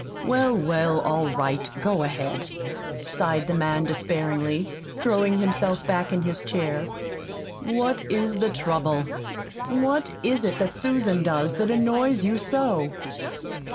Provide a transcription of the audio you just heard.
"Well, well, all right, go ahead," sighed the man despairingly, throwing himself back in his chair. "What is the trouble? What is it that Susan does that annoys you so?"